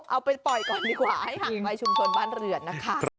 เอาไปปล่อยก่อนดีกว่าให้ห่างไปชุมชนบ้านเรือนนะคะ